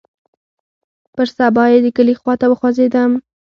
پر سبا يې د کلي خوا ته وخوځېدم.